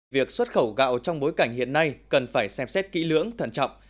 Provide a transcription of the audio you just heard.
việc xuất khẩu gạo trong bối cảnh hiện nay cần phải xem xét kỹ lưỡng thận trọng